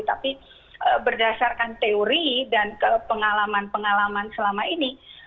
tapi berdasarkan teori dan pengalaman pengalaman selama ini